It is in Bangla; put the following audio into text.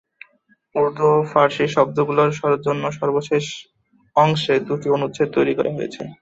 উর্দু ও ফারসী শব্দগুলোর জন্য সর্বশেষ অংশে দুটি অনুচ্ছেদ তৈরী করা হয়েছে।